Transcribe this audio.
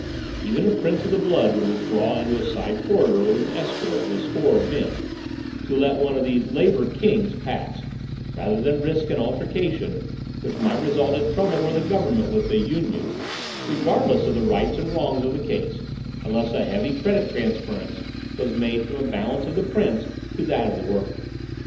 Even a Prince of the Blood would withdraw into a side corridor with his escort of a score of men, to let one of these labor "kings" pass, rather than risk an altercation which might result in trouble for the government with the Yun Yun, regardless of the rights and wrongs of the case, unless a heavy credit transference was made from the balance of the Prince to that of the worker.